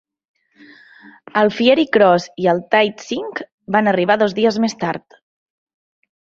El "Fiery Cross" i el "Taitsing" van arribar dos dies més tard.